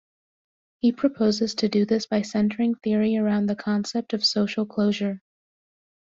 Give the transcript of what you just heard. He proposes to do this by centering theory around the concept of social closure.